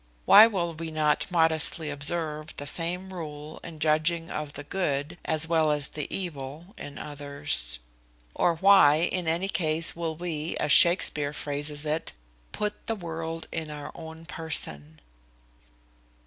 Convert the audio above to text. Why will we not modestly observe the same rule in judging of the good, as well as the evil of others? Or why, in any case, will we, as Shakespear phrases it, "put the world in our own person?"